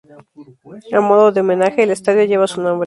A modo de homenaje, el Estadio lleva su nombre.